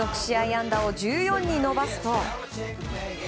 安打を１４に伸ばすと。